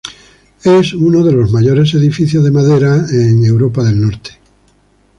Es uno de los mayores edificios de madera en Europa del norte.